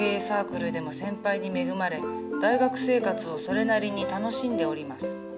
サークルでも先輩に恵まれ大学生活をそれなりに楽しんでおります。